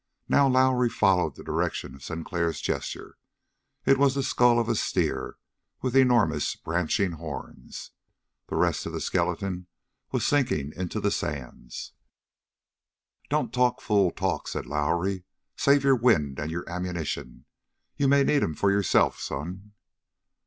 Now Lowrie followed the direction of Sinclair's gesture. It was the skull of a steer, with enormous branching horns. The rest of the skeleton was sinking into the sands. "Don't talk fool talk," said Lowrie. "Save your wind and your ammunition. You may need 'em for yourself, son!"